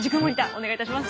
お願いいたします。